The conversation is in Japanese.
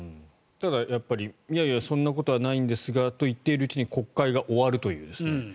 ただやっぱりいやいやそんなことはないんですがと言っているうちに国会が終わるという。